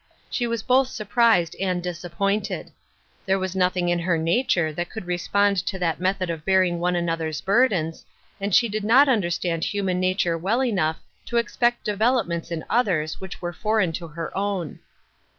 She was both surprised and disappointed. There was nothing in hei nature that could respond to that method of bearing one another's burdens, and she did not understand human nature well enough to expect developments in others which were foreign to her own.